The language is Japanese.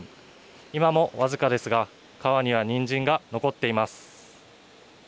今も僅かですが、川にはニンジンが残っています。